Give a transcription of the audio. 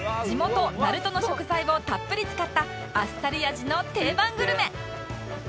地元鳴門の食材をたっぷり使ったあっさり味の定番グルメ